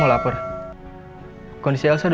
menjadikan setan dan pasar itu